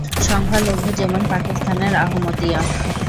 সংখ্যালঘু যেমন পাকিস্তানের আহমদিয়া।